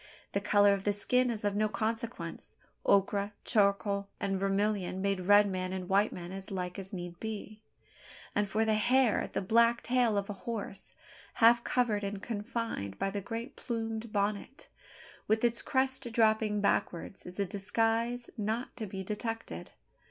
The colour of the skin is of no consequence. Ochre, charcoal, and vermilion made red man and white man as like as need be; and for the hair, the black tail of a horse, half covered and confined by the great plumed bonnet, with its crest dropping backward, is a disguise not to be detected.